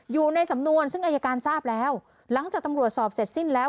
อยู่ในสำนวนซึ่งอายการทราบแล้วหลังจากตำรวจสอบเสร็จสิ้นแล้ว